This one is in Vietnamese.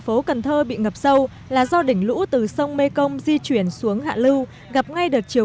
phố cần thơ bị ngập sâu là do đỉnh lũ từ sông mê công di chuyển xuống hạ lưu gặp ngay đợt chiều